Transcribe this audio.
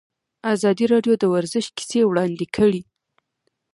ازادي راډیو د ورزش کیسې وړاندې کړي.